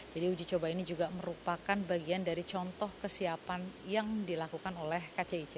uji coba ini juga merupakan bagian dari contoh kesiapan yang dilakukan oleh kcic